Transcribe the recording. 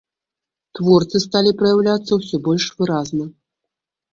Творцы сталі праяўляцца ўсё больш выразна.